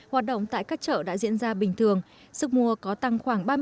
hoạt động tại các chợ đã diễn ra bình thường sức mua có tăng khoảng ba mươi